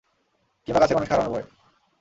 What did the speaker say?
কিংবা কাছের মানুষকে হারানোর ভয়।